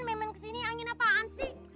momen kesini angin apaan sih